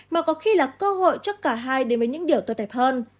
mà có khi là cơ hội cho cả hai đến với những điều tốt đẹp hơn